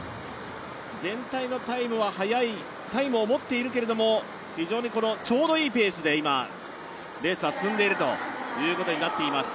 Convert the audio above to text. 全体のタイムは速いタイムを持っているけれども、非常にちょうどいいペースでレースは進んでいるということになっています。